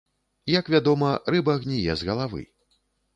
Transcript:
Як вядома, рыба гніе з галавы.